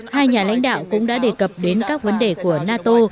hai nhà lãnh đạo cũng đã đề cập đến các vấn đề của nato